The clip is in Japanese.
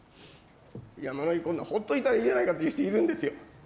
山井、こんなのほっといたらいいんじゃないかという人いるんですよ。